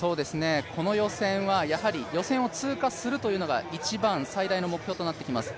この予選は予選を通過するというのが一番最大の目標となってきます。